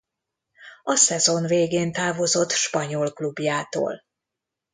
A szezon végén távozott spanyol klubjától.